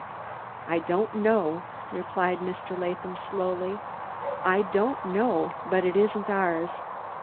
"I don't know," replied Mr. Latham slowly. "I don't know; but it isn't ours.